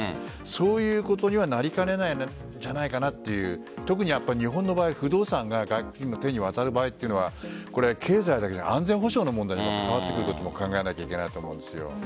そういうことになりかねないんじゃないかなっていう特に日本の場合不動産が外国人の手に渡る場合っていうのは経済だけじゃなくて安全保障の問題に関わってくると考えないといけないと思うんです。